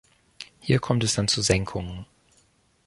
Hier kommt es dann zu Senkungen.